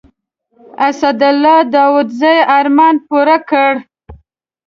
اسدالله داودزي ارمان پوره کړ.